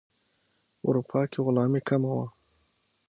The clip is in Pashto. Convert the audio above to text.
اروپا کې غلامي کمه وه.